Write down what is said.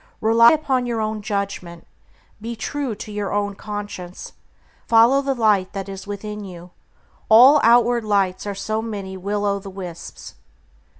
Rely upon your own judgment; be true to your own conscience; follow the Light that is within you; all outward lights are so many will o' the wisps.